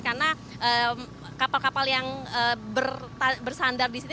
karena kapal kapal yang bersandar di sini